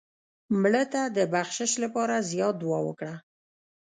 مړه ته د بخشش لپاره زیات دعا وکړه